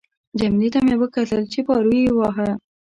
جميله ته مې کتل چې پارو یې واهه.